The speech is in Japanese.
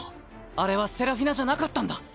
あれはセラフィナじゃなかったんだ。